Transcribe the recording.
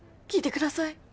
聞いてください。